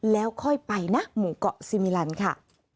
แล้วค่อยไปนะหมู่เกาะซีมิลันค่ะ